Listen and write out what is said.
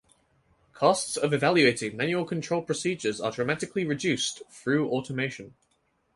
Costs of evaluating manual control procedures are dramatically reduced through automation.